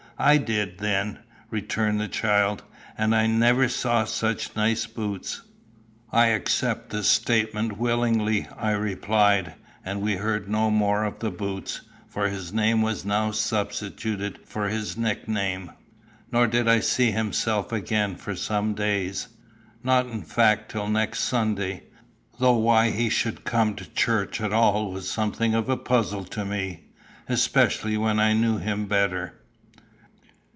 "I did, then," returned the child; "and I never saw such nice boots." "I accept the statement willingly," I replied; and we heard no more of the boots, for his name was now substituted for his nickname. Nor did I see himself again for some days not in fact till next Sunday though why he should come to church at all was something of a puzzle to me, especially when I knew him better.